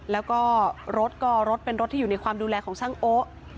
แล้วก็รถก็รถเป็นรถที่อยู่ในความดูแลของช่างโอ๊ะ